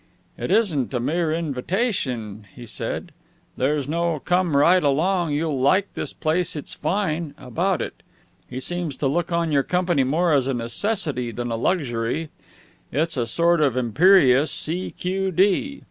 "It isn't a mere invitation," he said. "There's no come right along you'll like this place it's fine about it. He seems to look on your company more as a necessity than a luxury. It's a sort of imperious C.Q.D."